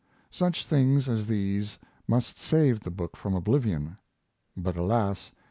Such things as these must save the book from oblivion; but alas!